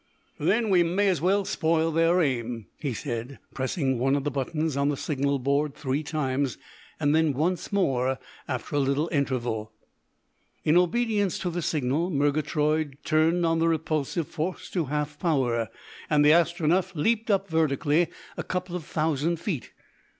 "Then we may as well spoil their aim," he said, pressing one of the buttons on the signal board three times, and then once more after a little interval. In obedience to the signal Murgatroyd turned on the repulsive force to half power, and the Astronef leapt up vertically a couple of thousand feet.